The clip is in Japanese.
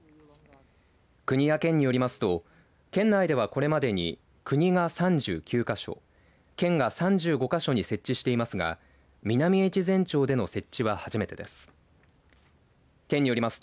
国や県によりますと県内ではこれまでに国が３９か所県が３５か所に設置していますが南越前町での設置は初めてです。